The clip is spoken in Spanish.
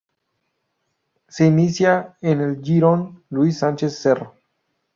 Se inicia en el jirón Luis Sánchez Cerro.